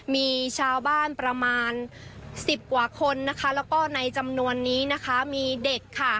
มีชาวบ้านประมาณสิบกว่าคนนะคะแล้วก็ในจำนวนนี้นะคะมีเด็กค่ะ